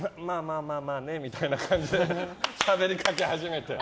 まあまあね、みたいな感じでしゃべりかけ始めて。